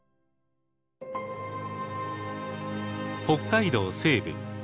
北海道西部。